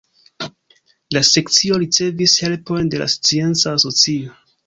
La Sekcio ricevis helpon de la Scienca Asocio.